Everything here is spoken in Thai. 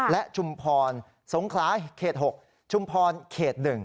และชุมพรสงขลาเขต๖ชุมพรเขต๑